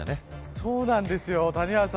そうなんですよ、谷原さん